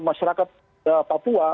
bahkan masyarakat papua